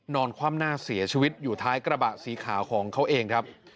นอนความหน้าเสียชีวิตอยู่ท้ายกระบะสีขาวของเขาเอง